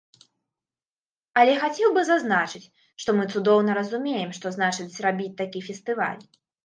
Але хацеў бы зазначыць, што мы цудоўна разумеем, што значыць зрабіць такі фестываль.